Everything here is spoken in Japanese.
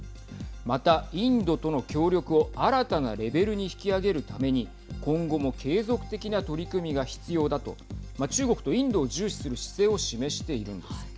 また、インドとの協力を新たなレベルに引き上げるために今後も継続的な取り組みが必要だと中国とインドを重視する姿勢を示しているんです。